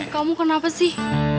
kamu kenapa sih